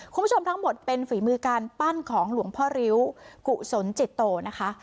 คุณผู้ชมทั้งหมดเป็นฝีมือการปั้นของหลวงพ่อริ้วกุศลจิตโตนะคะ